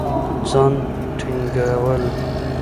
ځان ټينګول